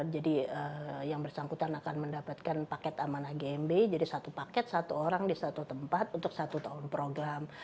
jadi yang bersangkutan akan mendapatkan paket amanah gmb jadi satu paket satu orang di satu tempat untuk satu tahun program